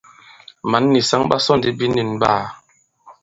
Mǎn nì saŋ ɓa sɔ ndi binīn ɓaā.